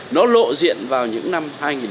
nó lộ diện vào những năm